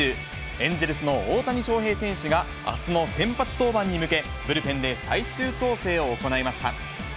エンゼルスの大谷翔平選手が、あすの先発登板に向け、ブルペンで最終調整を行いました。